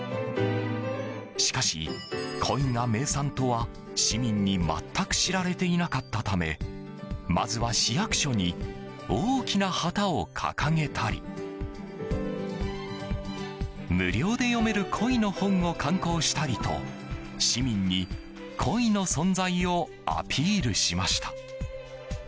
しかし、鯉が名産とは市民に全く知られていなかったためまずは市役所に大きな旗を掲げたり無料で読める鯉の本を刊行したりと市民に鯉の存在をアピールしました。